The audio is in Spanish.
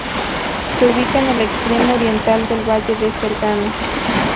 Se ubica en el extremo oriental del valle de Fergana.